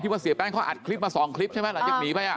ที่ว่าเสียแป้งเขาอัดคลิปมาสองคลิปใช่ไหมละจากหนีไปอ่ะ